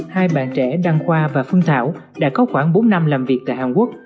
hai bạn trẻ đăng khoa và phương thảo đã có khoảng bốn năm làm việc tại hàn quốc